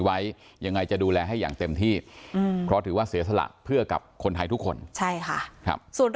ก็เลยยิงสวนไปแล้วถูกเจ้าหน้าที่เสียชีวิต